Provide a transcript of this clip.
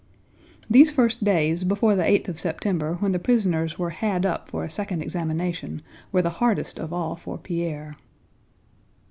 These first days, before the eighth of September when the prisoners were had up for a second examination, were the hardest of all for Pierre.